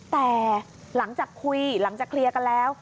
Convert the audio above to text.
แต่หลังจากคุยหลังจากเคลียร์กันแล้ว